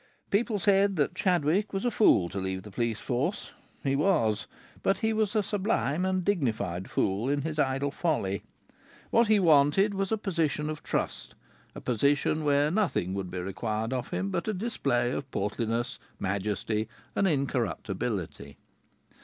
People said that Chadwick was a fool to leave the police force. He was; but he was a sublime and dignified fool in his idle folly. What he wanted was a position of trust, a position where nothing would be required from him but a display of portliness, majesty and incorruptibility.